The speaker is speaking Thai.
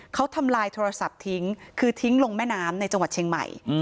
เขาทำลายโทรศัพท์ทิ้งคือทิ้งลงแม่น้ำในจังหวัดเชียงใหม่